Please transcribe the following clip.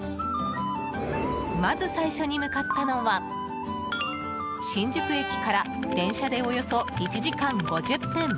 まず最初に向かったのは新宿駅から電車でおよそ１時間５０分。